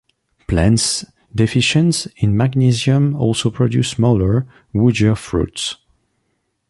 Plants deficient in magnesium also produce smaller, woodier fruits.